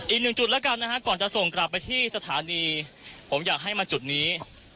อีกหนึ่งจุดแล้วกันนะฮะก่อนจะส่งกลับไปที่สถานีผมอยากให้มาจุดนี้